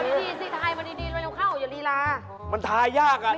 คนอาทิตย์คณะทาง